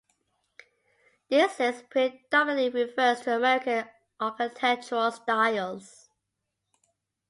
This list predominantly refers to American architectural styles.